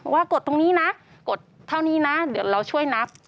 กดตรงนี้นะกดเท่านี้นะเดี๋ยวเราช่วยนับ